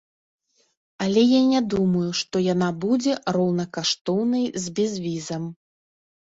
Але я не думаю, што яна будзе роўнакаштоўнай з безвізам.